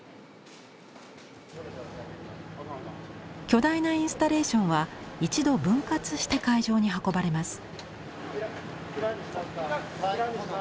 巨大なインスタレーションは一度分割して会場に運ばれます。